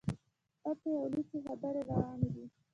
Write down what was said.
پټي او لڅي خبري رواني دي.